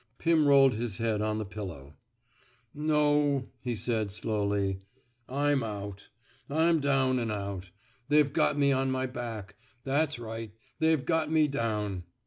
Pirn rolled his head on the pillow. No," he said, slowly. *' I'm out. I'm down an' out. ... They've got me on my back. That's right. They've got me down."